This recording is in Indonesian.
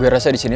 lepas hari ini